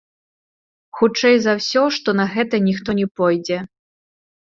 Хутчэй за ўсё, што на гэта ніхто не пойдзе.